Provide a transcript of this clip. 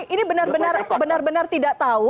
ini benar benar tidak tahu